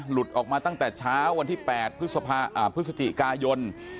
หลุดออกมาตั้งแต่เช้าวันที่๘พฤศจิกายน